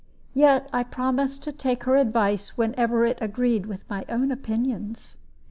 Yet I promised to take her advice whenever it agreed with my own opinions.